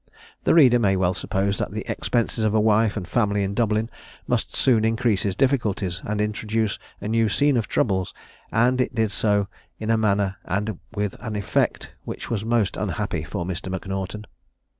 The reader may well suppose that the expenses of a wife and family in Dublin must soon increase his difficulties, and introduce a new scene of troubles; and it did so in a manner and with an effect which was most unhappy for Mr. M'Naughton.